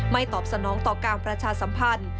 ตอบสนองต่อการประชาสัมพันธ์